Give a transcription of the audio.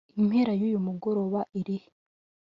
impera yuyu murongo irihe?